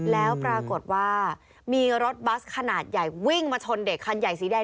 แล้วปรากฏว่ามีรถบัสขนาดใหญ่วิ่งมาชนเด็กคันใหญ่สีแดง